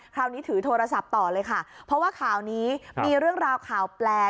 ถือโทรศัพท์ต่อเลยค่ะเพราะว่าข่าวนี้มีเรื่องราวข่าวแปล